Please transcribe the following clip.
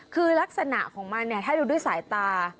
คือลักษณะของมันเนี่ยถ้าดูด้วยสายตา